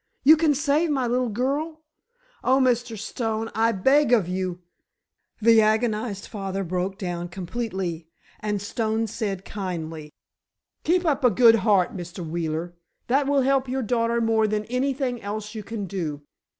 You can save my little girl? Oh, Mr. Stone, I beg of you——" The agonized father broke down completely, and Stone said, kindly: "Keep up a good heart, Mr. Wheeler. That will help your daughter more than anything else you can do.